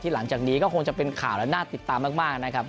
หลังจากนี้ก็คงจะเป็นข่าวและน่าติดตามมากนะครับ